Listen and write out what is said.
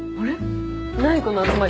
何この集まり。